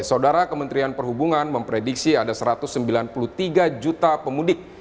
saudara kementerian perhubungan memprediksi ada satu ratus sembilan puluh tiga juta pemudik